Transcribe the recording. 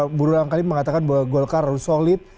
guru langkali mengatakan bahwa golkar harus solid